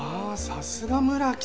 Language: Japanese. さすが村木さん！